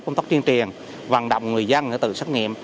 lồng tóc truyền truyền vận động người dân để tự xét nghiệm